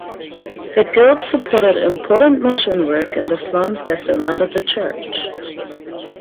The Guild supported important mission work in the slums that surrounded the church.